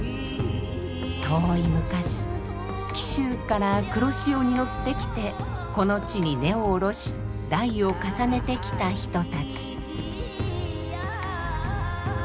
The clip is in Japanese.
遠い昔紀州から黒潮に乗ってきてこの地に根を下ろし代を重ねてきた人たち。